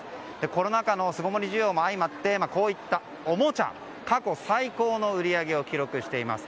コロナ禍の巣ごもり需要も相まってこういったおもちゃ過去最高の売り上げを記録しています。